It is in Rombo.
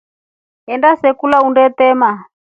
Enda se kulya unetrema.